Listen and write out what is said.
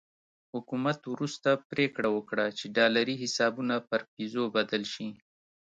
حکومت وروسته پرېکړه وکړه چې ډالري حسابونه پر پیزو بدل شي.